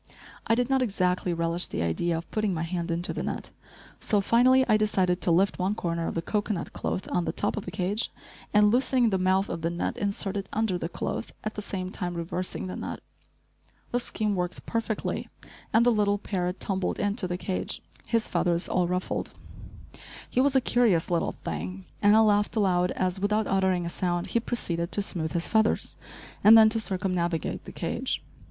I did not exactly relish the idea of putting my hand into the net, so finally I decided to lift one corner of the cocoanut cloth on the top of the cage, and, loosening the mouth of the net, insert it under the cloth, at the same time reversing the net. The scheme worked perfectly and the little parrot tumbled into the cage, his feathers all ruffled. He was a curious little thing and I laughed aloud as, without uttering a sound, he proceeded to smooth his feathers, and then to circumnavigate the cage.